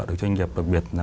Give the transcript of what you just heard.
được doanh nghiệp đặc biệt